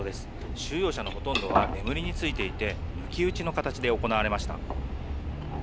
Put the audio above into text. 収容者のほとんどは眠りについていて抜き打ちの形で行われました。